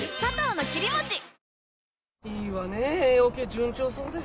順調そうで。